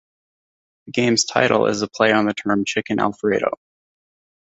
The game's title is a play on the term chicken alfredo.